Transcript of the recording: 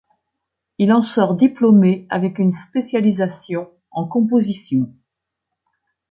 Il en sort diplômé avec une spécialisation en composition.